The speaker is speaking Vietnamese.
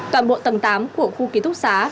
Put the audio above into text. toàn bộ tầng tám của khu ký thúc xá